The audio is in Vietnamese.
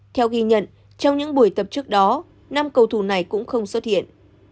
theo ghi nhận trong những buổi tập trước đó năm cầu thủ này cũng không xuất hiện